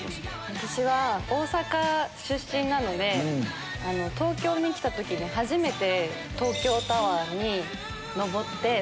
私は大阪出身なので東京に来た時に初めて東京タワーに上って。